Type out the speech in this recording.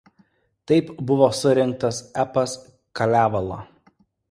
Taip buvo surinktas epas Kalevala.